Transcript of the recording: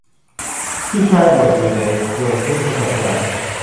พี่ชายบวชอยู่ในบวรพุทธศาสนา